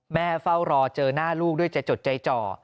เฝ้ารอเจอหน้าลูกด้วยจะจดใจจ่อ